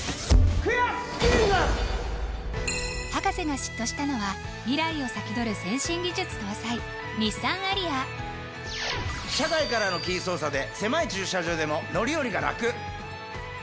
博士が嫉妬したのは未来を先取る先進技術搭載日産アリア車外からのキー操作で狭い駐車場でも乗り降りがラク！